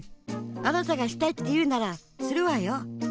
あなたがしたいっていうならするわよ。